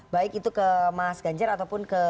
baik itu ke mas ganjar ataupun ke